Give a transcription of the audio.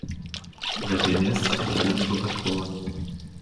Гэтае месца абралі невыпадкова.